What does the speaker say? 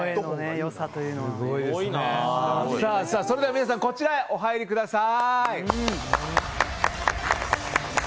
皆さん、こちらへお入りください。